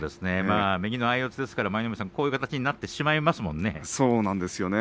右の相四つですからこういう形になってしまいますよね。